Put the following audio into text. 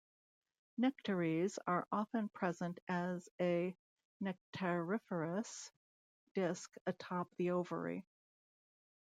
Nectaries are often present as a nectariferous disk atop the ovary.